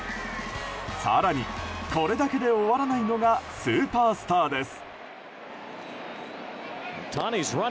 更に、これだけで終わらないのがスーパースターです。